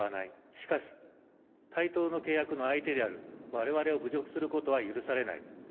しかし対等の契約の相手である我々を侮辱することは許されない。